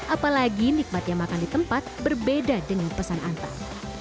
apalagi nikmatnya makan di tempat berbeda dengan pesan antar